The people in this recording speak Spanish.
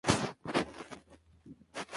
La persona se va en un camión.